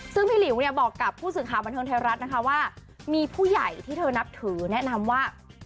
ซึ่งพี่หลิวเนี่ยบอกกับผู้สื่อข่าวบันเทิงไทยรัฐนะคะว่ามีผู้ใหญ่ที่เธอนับถือแนะนำว่า